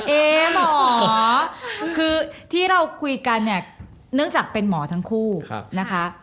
เอ๊หมอคือที่เราคุยกันเนี่ยเนื่องจากเป็นหมอทั้งคู่นะคะ